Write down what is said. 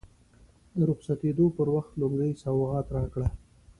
د رخصتېدو پر وخت لونګۍ سوغات راکړه.